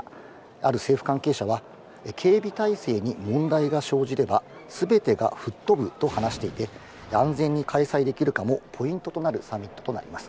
ある政府関係者は警備体制に問題が生じれば、全てが吹っ飛ぶと話していて、安全に開催できるかもポイントとなるサミットとなります。